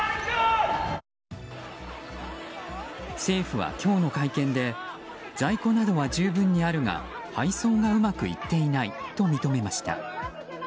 政府は今日の会見で在庫などは十分にあるが配送がうまくいっていないと認めました。